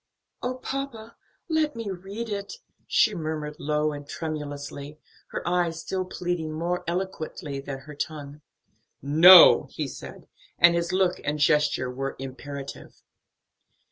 "Oh, papa, let me read it!" she murmured low and tremulously, her eyes still pleading more eloquently than her tongue. "No," he said, and his look and gesture were imperative.